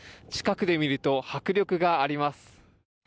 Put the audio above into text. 近くで見ると迫力があります。